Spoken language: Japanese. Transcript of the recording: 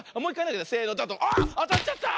あっあたっちゃった！